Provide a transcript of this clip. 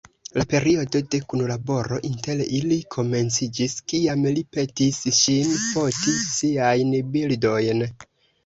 La periodo de kunlaboro inter ili komenciĝis kiam li petis ŝin foti siajn bildojn.